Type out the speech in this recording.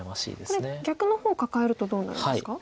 これ逆の方カカえるとどうなるんですか？